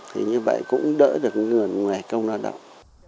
thì như vậy cũng đỡ được người ngoài công lao động